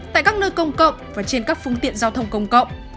tại các nơi công cộng và trên các phương tiện giao thông công cộng